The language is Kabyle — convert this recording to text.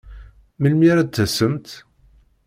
Melmi ara d-tasemt?